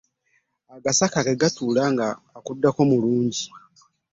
Agasaaka ge gattula nga akuddako mulungi .